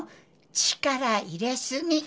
力入れすぎ！